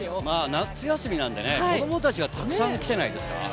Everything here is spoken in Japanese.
夏休みなんでね、子供たちがたくさん来てないですか？